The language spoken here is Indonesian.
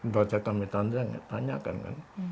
baca kami tanjang ya tanyakan kan